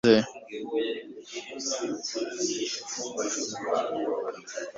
tom ntabwo yabikoze